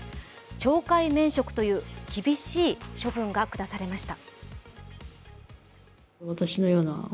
懲戒免職という厳しい処分が下されました。